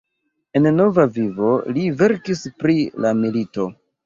En nova vivo li verkis pri la milito.